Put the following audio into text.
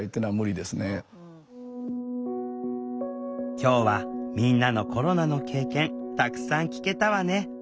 今日はみんなのコロナの経験たくさん聞けたわね。